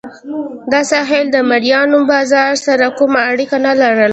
دا ساحل د مریانو بازار سره کومه اړیکه نه لرله.